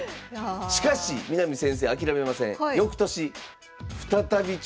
しかし南先生諦めません。